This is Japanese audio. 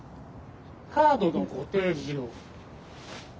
カードのご提示を。